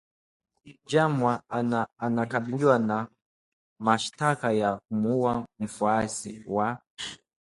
Jumwa anakabiliwa na mashtaka ya kumuua mfuasi wa